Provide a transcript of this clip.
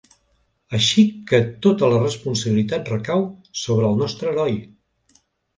Així que tota la responsabilitat recau sobre el nostre heroi.